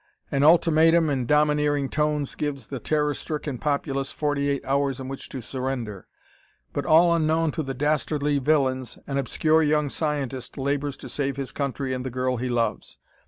An ultimatum in domineering tones gives the terror stricken populace forty eight hours in which to surrender. But, all unknown to the dastardly villains, an obscure young scientist labors to save his country and the girl he loves.